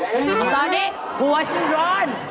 ตอนนี้หัวฉันร้อน